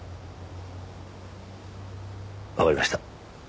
わかりました。